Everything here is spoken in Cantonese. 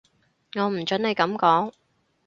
我唔準你噉講